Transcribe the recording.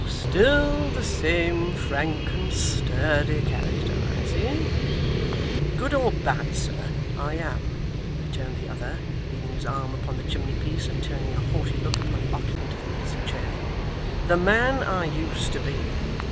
'Still the same frank and sturdy character, I see!' 'Good or bad, sir, I am,' returned the other, leaning his arm upon the chimney piece, and turning a haughty look upon the occupant of the easy chair, 'the man I used to be.